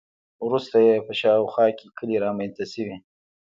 وروسته یې په شاوخوا کې کلي رامنځته شوي.